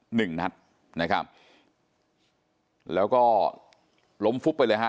หนึ่งนัดนะครับแล้วก็ล้มฟุบไปเลยฮะ